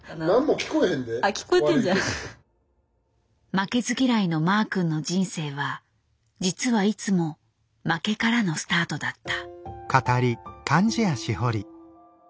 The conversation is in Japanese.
負けず嫌いのマー君の人生は実はいつも負けからのスタートだった。